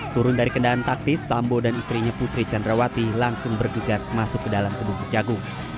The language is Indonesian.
turun dari kendaraan taktis sambo dan istrinya putri candrawati langsung bergegas masuk ke dalam gedung kejagung